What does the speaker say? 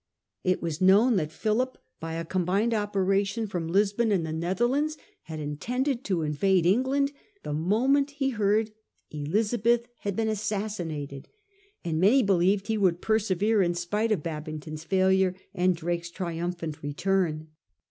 It was known that Philip, by a com bined operation from Lisbon and the Netherlands, had intended to invade England the moment he heard Elizabeth had been assassinated, and many believed he would persevere in spite of Babington's failure and Drake's triumphant return.